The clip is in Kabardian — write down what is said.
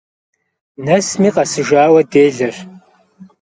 Nesme khesijjaue dêleş.